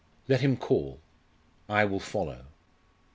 Let him call, I will follow."